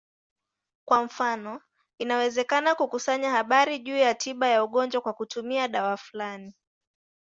Kwa mfano, inawezekana kukusanya habari juu ya tiba ya ugonjwa kwa kutumia dawa fulani.